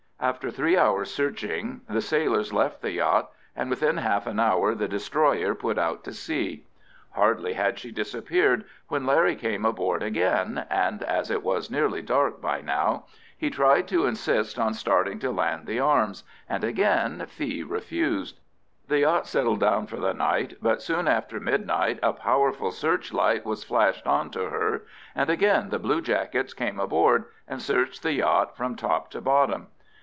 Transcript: After three hours' searching the sailors left the yacht, and within half an hour the destroyer put to sea. Hardly had she disappeared when Larry came aboard again, and as it was nearly dark by now, he tried to insist on starting to land the arms, and again Fee refused. The yacht settled down for the night, but soon after midnight a powerful searchlight was flashed on to her, and again the bluejackets came aboard and searched the yacht from top to bottom.